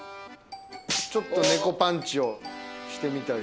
ちょっと猫パンチをしてみたり。